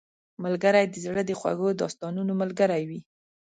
ملګری د زړه د خوږو داستانونو ملګری وي